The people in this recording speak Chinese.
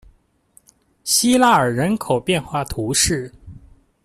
西拉尔人口变化图示